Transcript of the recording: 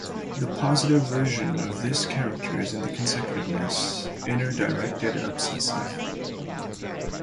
The positive version of this character is the conscientious, inner directed obsessive.